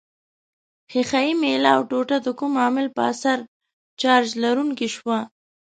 ښيښه یي میله او ټوټه د کوم عامل په اثر چارج لرونکې شوه؟